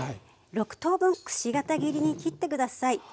６等分くし形切りに切って下さい。